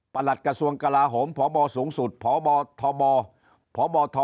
ประหลักกระทรวงกระลาฮมภบสูงสุดภบภบ